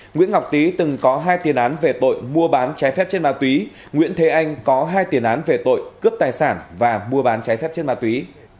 nguyễn ngọc tý từng có hai tiền án về tội mua bán trái phép trên ma túy nguyễn thế anh có hai tiền án về tội cướp tài sản và mua bán trái phép chất ma túy